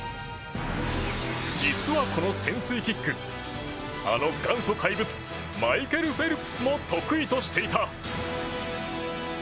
実は、この潜水キックあの元祖怪物マイケル・フェルプスも得意としていた。